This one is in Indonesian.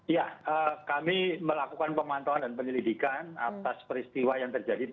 ya kami melakukan pemantauan dan penyelidikan atas peristiwa yang terjadi